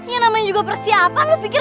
ya namanya juga persiapan lu pikir